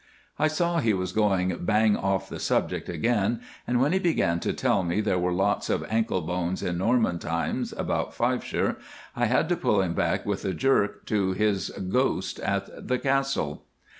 I saw he was going bang off the subject again, and when he began to tell me there were lots of Anklebones in Norman times about Fifeshire, I had to pull him back with a jerk to his ghost at the Castle.